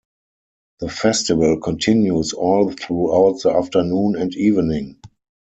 The festival continues all throughout the afternoon and evening.